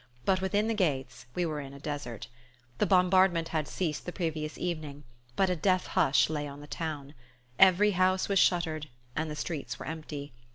But within the gates we were in a desert. The bombardment had ceased the previous evening, but a death hush lay on the town, Every house was shuttered and the streets were empty.